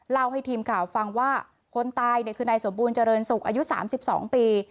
เล่าให้ทีมข่าวฟังว่าคนตายเนี่ยคือนายสมบูรณเจริญสุขอายุ๓๒ปี